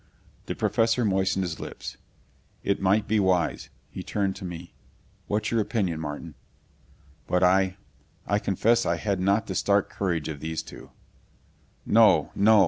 The Professor moistened his lips. "It might be wise." He turned to me. "What's your opinion, Martin?" But I I confess I had not the stark courage of these two. "No! No!"